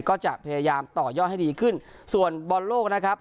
ก็จะพยายามต่อยอดให้ดีขึ้นส่วนบอลโลกนะครับ